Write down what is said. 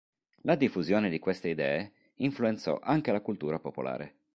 La diffusione di queste idee influenzò anche la cultura popolare.